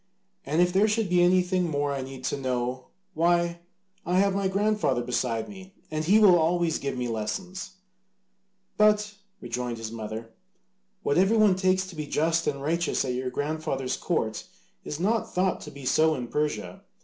And if there should be anything more I need to know, why, I have my grandfather beside me, and he will always give me lessons." "But," rejoined his mother, "what everyone takes to be just and righteous at your grandfather's court is not thought to be so in Persia.